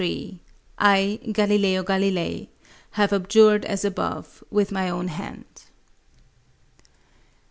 I, Galileo Galilei, have abjured as above with my own hand."